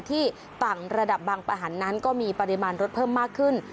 ที่ต่างระดับบางประหันนั้นก็มีปริมาณรถเพิ่มมากขึ้น